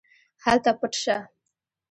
هله پټ شه.